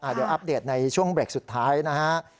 เดี๋ยวอัปเดตในช่วงเบรกสุดท้ายนะฮะ